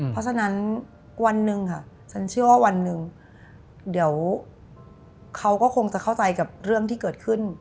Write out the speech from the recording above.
เพราะฉะนั้นวันหนึ่งค่ะฉันเชื่อว่าวันหนึ่งเดี๋ยวเขาก็คงจะเข้าใจกับเรื่องที่เกิดขึ้น